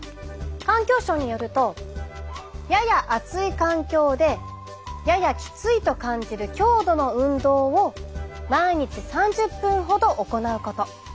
環境省によると「やや暑い」環境で「ややきつい」と感じる強度の運動を「毎日３０分ほど」行うこと。